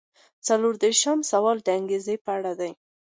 څلور دېرشم سوال د انګیزې په اړه دی.